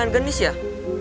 biar umumnya mulai ada